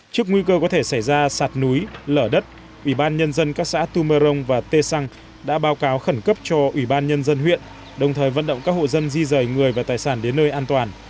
trước nguy cơ có thể xảy ra sạt núi lở đất ủy ban nhân dân các xã tum mơ rông và tê xăng đã báo cáo khẩn cấp cho ủy ban nhân dân huyện đồng thời vận động các hộ dân di rời người và tài sản đến nơi an toàn